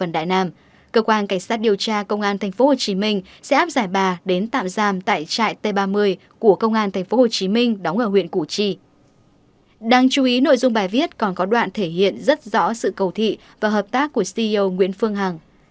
đáng chú ý nội dung bài viết còn có đoạn thể hiện rất rõ sự cầu thị và hợp tác của ceo nguyễn phương hằng